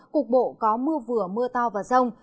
cuộc bộ có mưa vừa mưa to và rông